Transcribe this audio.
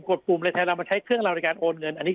ดปุ่มเลยแทนเรามาใช้เครื่องเราในการโอนเงินอันนี้